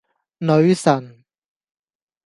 女神